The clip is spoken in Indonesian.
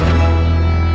masih lu nunggu